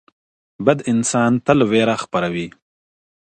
بد انسان تل وېره خپروي